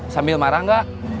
sambil marah gak